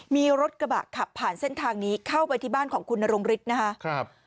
มีรถกระบะขับผ่านเส้นทางนี้เข้าไปที่บ้านของคุณนรงฤทธิ์นะครับ